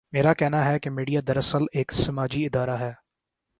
میرا کہنا ہے کہ میڈیا دراصل ایک سماجی ادارہ ہے۔